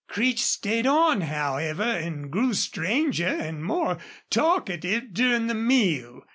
Creech stayed on, however, and grew stranger and more talkative during the meal.